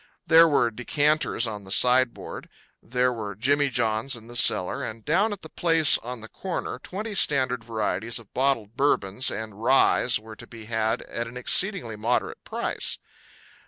There were decanters on the sideboard; there were jimmy johns in the cellar; and down at the place on the corner twenty standard varieties of bottled Bourbons and ryes were to be had at an exceedingly moderate price.